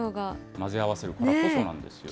混ぜ合わせるからこその模様なんですよね。